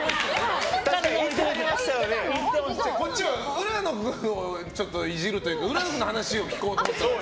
こっちは浦野君をイジるというか浦野君の話を聞こうと思ってたのに。